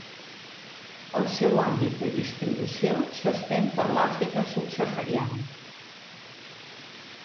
El seu àmbit de distribució s'estén per l'Àfrica subsahariana.